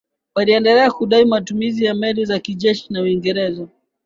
Waliendelea kudai matumizi ya meli za kijeshi za Uingereza